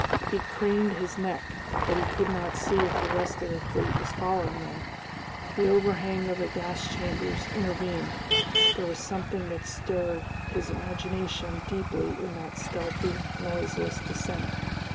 He craned his neck, but he could not see if the rest of the fleet was following them; the overhang of the gas chambers intervened. There was something that stirred his imagination deeply in that stealthy, noiseless descent.